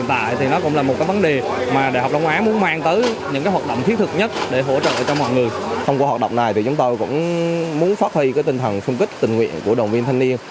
trong cuộc hoạt động này chúng tôi cũng muốn phát huy tinh thần phung kích tình nguyện của đồng viên thanh niên